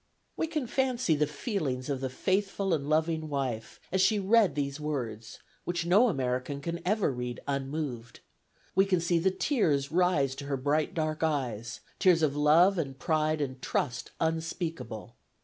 We can fancy the feelings of the faithful and loving wife as she read these words, which no American can ever read unmoved. We can see the tears rise to her bright dark eyes, tears of love and pride and trust unspeakable.